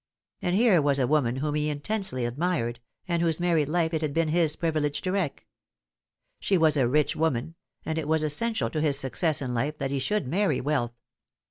And here was a woman whom he intensely admired, and whose married life it had been his privilege to wreck. She was a rich woman and it was essential to his success in life that he should marry wealth.